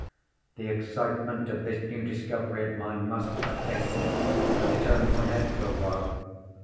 "The excitement of this new discovery of mine must, I think, have turned my head for a while.